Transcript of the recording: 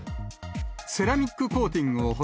セラミックコーティングを施